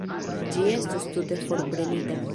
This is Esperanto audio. Ĝi estos tute forprenita.